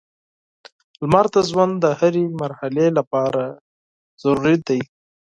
• لمر د ژوند د هرې مرحلې لپاره ضروري دی.